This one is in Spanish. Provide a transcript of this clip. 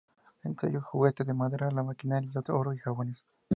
Entre ellos, juguetes de madera, la maquinaria, oro y jabones.